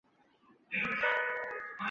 于伊特尔。